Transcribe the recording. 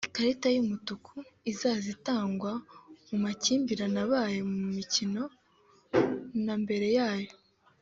Ikarita y’umutuku izajya itangwa mu makimbirane abaye mukino na mbere yayo